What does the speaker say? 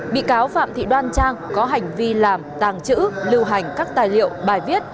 bị cáo phạm thị đoan trang có hành vi làm tàng trữ lưu hành các tài liệu bài viết